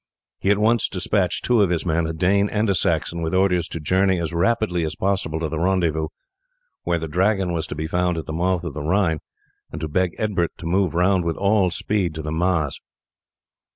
He at once despatched two of his men, a Dane and a Saxon, with orders to journey as rapidly as possible to the rendezvous, where the Dragon was to be found at the mouth of the Rhine, and to beg Egbert to move round with all speed to the Maas.